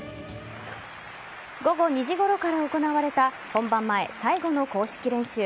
午後２時ごろから行われた本番前最後の公式練習。